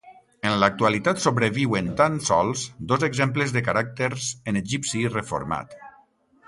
En l'actualitat sobreviuen tan sols dos exemples de caràcters en egipci reformat.